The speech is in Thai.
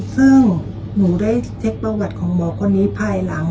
ซึ่งหนูได้เช็คประวัติของหมอคนนี้ภายหลัง